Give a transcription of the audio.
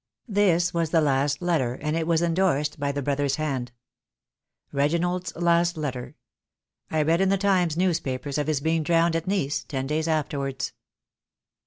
This was the last letter, and it was endorsed by the brother's hand. "Reginald's last letter. I read in the Times news paper of his being drowned at Nice ten days afterwards."